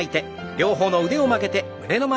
両方の腕を曲げて胸の前。